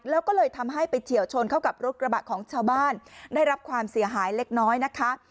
แล้วก็เลยทำให้ไปเฉียวชนเข้ากับรถกระบะของชาวบ้านได้รับความเสียหายเล็กน้อยนะคะ